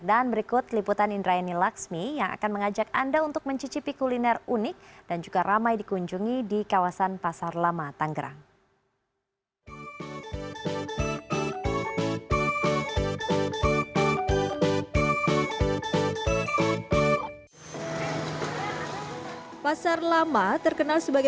dan berikut liputan indra yani laksmi yang akan mengajak anda untuk mencicipi kuliner unik dan juga ramai dikunjungi di kawasan pasar lama tangerang